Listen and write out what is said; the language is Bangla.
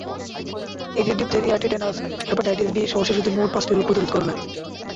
এটি ডিপথেরিয়া, টিটেনাস, হেপাটাইটিস বি-সহ শিশুদের মোট পাঁচটি রোগ প্রতিরোধ করবে।